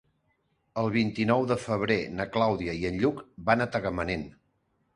El vint-i-nou de febrer na Clàudia i en Lluc van a Tagamanent.